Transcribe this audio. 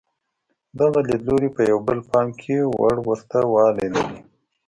دغه لیدلوري په یو بل کې پام وړ ورته والی لري.